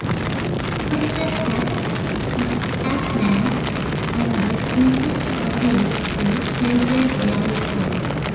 Professor Pac, Ms. Pac Man, and the princess proceed to celebrate their victory.